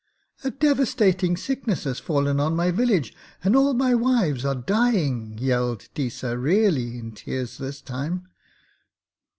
'A devastating sickness has fallen on my village, and all my wives are dying,' yelled Deesa, really in tears this time.